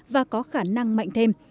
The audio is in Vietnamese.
và có khả năng mạnh thêm